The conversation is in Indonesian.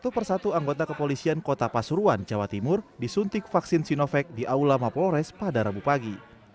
satu persatu anggota kepolisian kota pasuruan jawa timur disuntik vaksin sinovac di aula mapolres pada rabu pagi